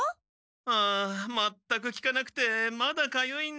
ああまったくきかなくてまだかゆいんだ。